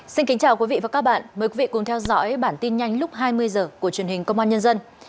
xin kính chào quý vị và các bạn mời quý vị cùng theo dõi bản tin nhanh lúc hai mươi h của truyền hình công an nhân dân